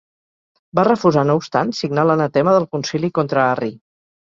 Va refusar no obstant signar l'anatema del concili contra Arri.